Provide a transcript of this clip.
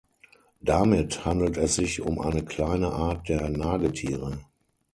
Damit handelt es sich um eine kleine Art der Nagetiere.